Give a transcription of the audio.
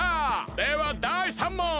ではだい３もん！